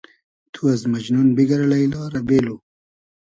تو از مئجنون بیگئر لݷلا رۂ بېلو